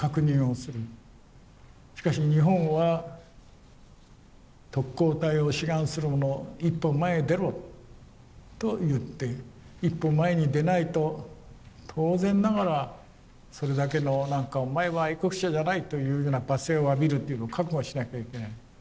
しかし日本は特攻隊を志願する者一歩前へ出ろと言って一歩前に出ないと当然ながらそれだけの何かお前は愛国者じゃないというような罵声を浴びるというのを覚悟しなきゃいけない。